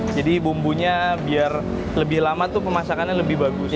jadi bumbunya biar lebih lama tuh pemasakannya lebih bagus